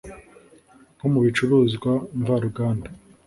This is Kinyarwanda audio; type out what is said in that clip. nko mu bicuruzwa mvaruganda